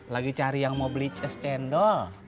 lagi cari yang mau beli cas cendol